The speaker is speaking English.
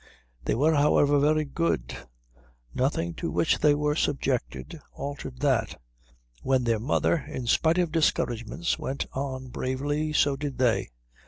They were, however, very good. Nothing to which they were subjected altered that. When their mother in spite of discouragements went on bravely, so did they.